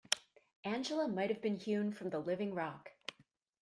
Angela might have been hewn from the living rock.